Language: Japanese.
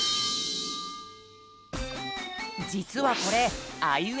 じつはこれあいうえ